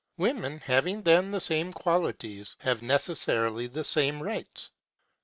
Women having, then, the same qualities, have necessarily the same rights.